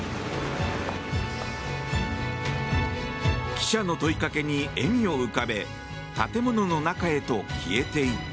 記者の問いかけに笑みを浮かべ建物の中へと消えていった。